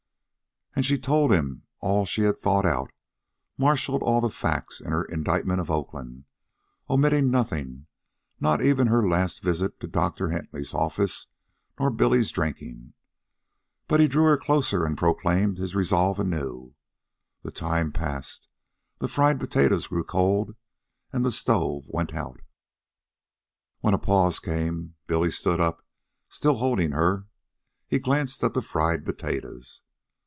And she told him all she had thought out, marshaled all the facts in her indictment of Oakland, omitting nothing, not even her last visit to Doctor Hentley's office nor Billy's drinking. He but drew her closer and proclaimed his resolves anew. The time passed. The fried potatoes grew cold, and the stove went out. When a pause came, Billy stood up, still holding her. He glanced at the fried potatoes.